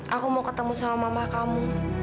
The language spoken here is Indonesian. aku mau ketemu sama mama kamu